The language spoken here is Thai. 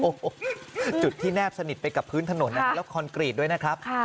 โอ้โหจุดที่แนบสนิทไปกับพื้นถนนนะฮะแล้วคอนกรีตด้วยนะครับ